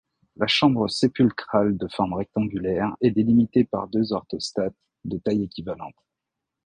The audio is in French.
La chambre sépulcrale de forme rectangulaire est délimitée par deux orthostates de taille équivalente.